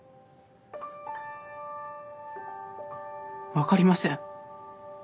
分かりません。